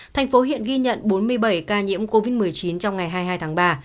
thành phố hiện ghi nhận bốn mươi bảy ca nhiễm covid một mươi chín trong ngày hai mươi hai tháng ba